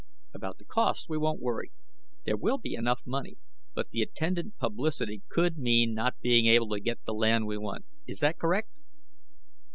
"About the cost we won't worry. There will be enough money. But the attendant publicity could mean not being able to get the land we want. Is that correct?"